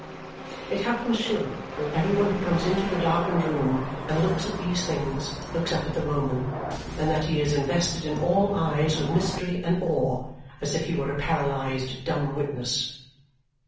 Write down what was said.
It happens surely that every one who comes into the darkened room and looks at these things looks up at the Roman and that he is invested in all eyes with mystery and awe, as if he were a paralysed dumb witness.